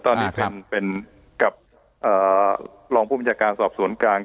ตอนนี้เป็นกับรองผู้บัญชาการสอบสวนกลาง